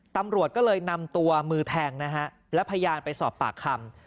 ตำรวจก็เลยนำตัวมือแทงนะฮะและพยานไปสอบปากคำ